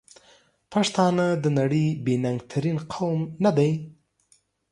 پښتانه د نړۍ بې ننګ ترین قوم ندی؟!